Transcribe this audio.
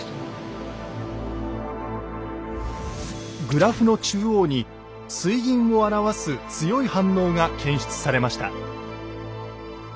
グラフの中央に水銀を表す強い反応が検出されました。